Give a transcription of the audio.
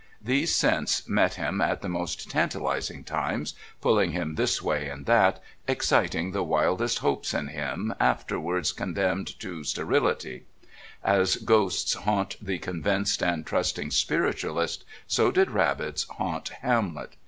These scents met him at the most tantalising times, pulling him this way and that, exciting the wildest hopes in him, afterwards condemned to sterility; as ghosts haunt the convinced and trusting spiritualist, so did rabbits haunt Hamlet.